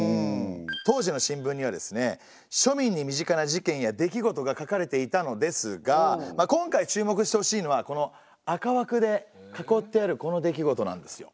当時の新聞にはですね庶民に身近な事件や出来事が書かれていたのですがまあ今回注目してほしいのはこの赤枠で囲ってあるこの出来事なんですよ。